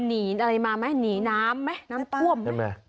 หนีอะไรมาไหมหนีน้ำไหมน้ำท่วมใช่ไหม